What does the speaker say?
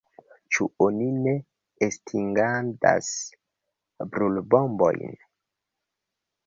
Ĉu ni ne estingadas brulbombojn?